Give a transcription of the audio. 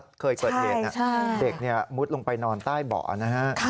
เด็กมุดลงไปนอนใต้เบาะนะ